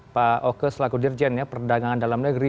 pak oke selaku dirjen ya perdagangan dalam negeri